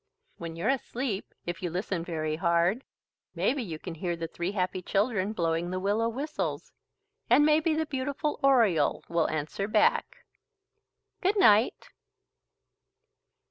When you're asleep if you listen very hard, maybe you can hear the three happy children blowing the willow whistles, and maybe the beautiful oriole will answer back. Good night.